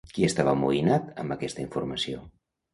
Qui estava amoïnat amb aquesta informació?